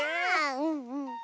うんうん。